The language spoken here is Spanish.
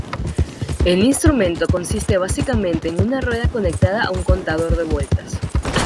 El instrumento consiste básicamente en una rueda conectada a un contador de vueltas.